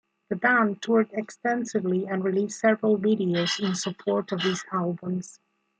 The band toured extensively and released several videos in support of these albums.